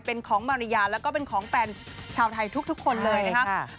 เป็นของมาริยาแล้วก็เป็นของแฟนชาวไทยทุกคนเลยนะครับ